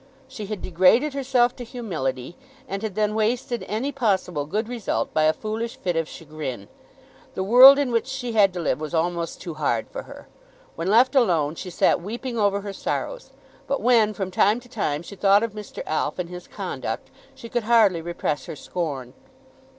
She had degraded herself to humility, and had then wasted any possible good result by a foolish fit of chagrin. The world in which she had to live was almost too hard for her. When left alone she sat weeping over her sorrows; but when from time to time she thought of Mr. Alf and his conduct, she could hardly repress her scorn.